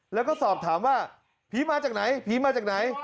แล้วก็สอบถามว่าผีมาจากไหนผีมาจากไหน